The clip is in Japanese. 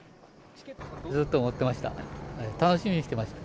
ずっと持ってました。